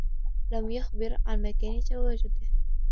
لم يخبر عن مكان تواجده.